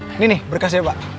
ini nih berkesnya pak